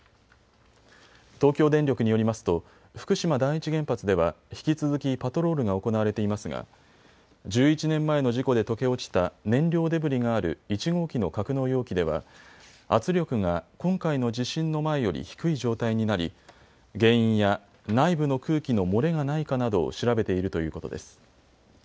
東京電力によりますと福島第一原発では引き続きパトロールが行われていますが１１年前の事故で溶け落ちた燃料デブリがある１号機の格納容器では圧力が今回の地震の前より低い状態になり原因や内部の空気の漏れがないかなどを調べているということです。